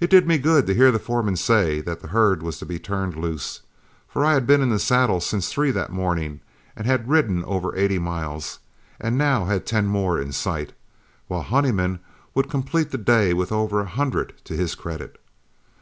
It did me good to hear the foreman say the herd was to be turned loose, for I had been in the saddle since three that morning, had ridden over eighty miles, and had now ten more in sight, while Honeyman would complete the day with over a hundred to his credit.